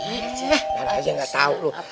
eh mana aja nggak tau lo